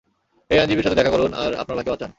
এই আইনজীবীর সাথে দেখা করুন আর আপনার ভাইকে বাঁচান।